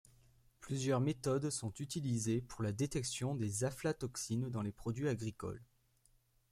Plusieurs méthodes sont utilisées pour la détection des aflatoxines dans les produits agricoles.